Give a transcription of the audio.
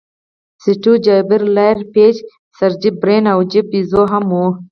سټیو جابز، لاري پیج، سرجي برین او جیف بیزوز هم وو.